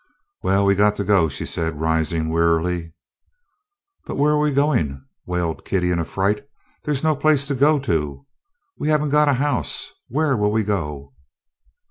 "Well, we got to go," she said, rising wearily. "But where are we goin'?" wailed Kitty in affright. "There 's no place to go to. We have n't got a house. Where 'll we go?"